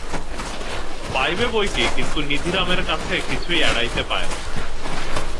পাইবে বৈকি, কিন্তু নিধিরামের কাছে কিছুই এড়াইতে পায় না।